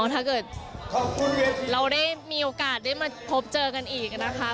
ถ้าเกิดเราได้มีโอกาสได้มาพบเจอกันอีกนะคะ